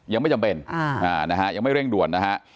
ยังไม่จำเป็นยังไม่เร่งด่วน